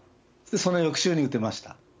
その翌週に打てました。